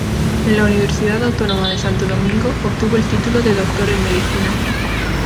En la Universidad Autónoma de Santo Domingo obtuvo el título de Doctor en Medicina.